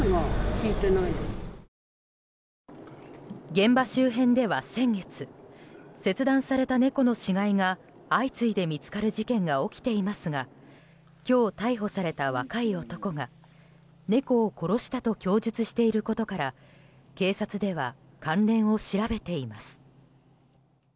現場周辺では先月切断された猫の死骸が相次いで見つかる事件が起きていますが今日逮捕された若い男が猫を殺したと供述していることから警察では関連を調べています。